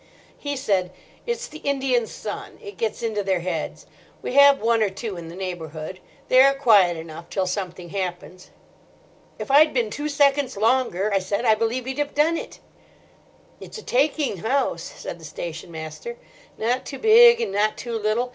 "He said, 'It's the Indian sun. It gets into their heads. We have one or two in the neighbourhood. They are quiet enough till something happens.' "'If I'd been two seconds longer,' I said, 'I believe he'd have done it.' "'It's a taking house,' said the station master; 'not too big and not too little.